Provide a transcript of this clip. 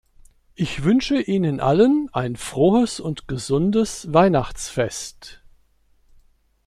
Ich wünsche Ihnen allen ein frohes und gesundes Weihnachtsfest.